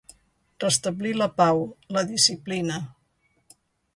Restablir la pau, la disciplina.